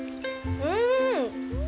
うん。